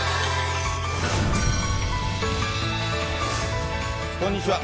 一方、こんにちは。